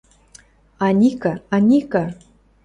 Аника, Аника!..